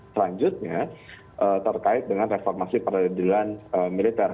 selanjutnya terkait dengan reformasi peradilan militer